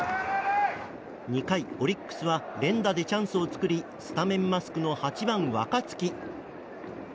２回、オリックスは連打でチャンスを作りスタメンマスクの８番、若月。